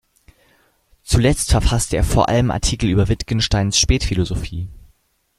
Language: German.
Zuletzt verfasste er vor allem Artikel über Wittgensteins Spätphilosophie.